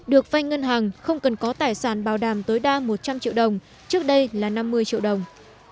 được vay ngân hàng không cần có tài sản bảo đảm tối đa một trăm linh triệu đồng trước đây là năm mươi triệu đồng